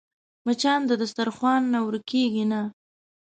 مچان د دسترخوان نه ورکېږي نه